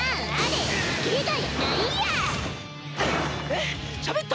えっ！？